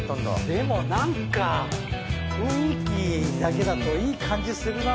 でも何か雰囲気だけだといい感じするな